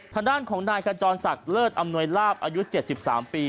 ทางด้านของนายขจรศักดิ์เลิศอำนวยลาบอายุ๗๓ปี